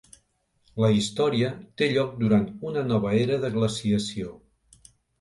La història té lloc durant una nova era de glaciació.